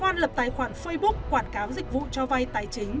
oan lập tài khoản facebook quảng cáo dịch vụ cho vai tài chính